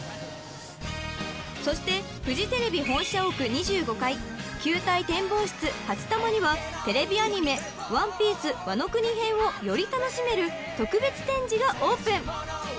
［そしてフジテレビ本社屋２５階球体展望室はちたまにはテレビアニメ『ＯＮＥＰＩＥＣＥ』ワノ国編をより楽しめる特別展示がオープン］